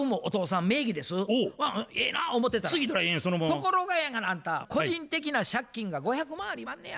ところがやがなあんた個人的な借金が５００万ありまんねや。